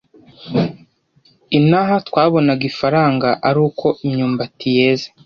Inaha twabonaga ifaranga ari uko imyumbati yeze